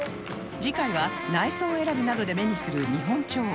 次回は内装選びなどで目にする見本帳